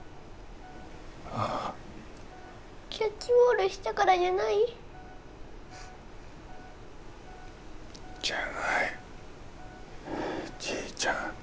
ああキャッチボールしたからじゃない？じゃないじいちゃん